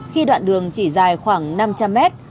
khi đoạn đường chỉ dài khoảng năm trăm linh mét